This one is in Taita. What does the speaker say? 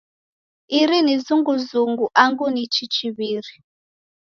Iri ni zunguzungu angu ni chichiw'iri?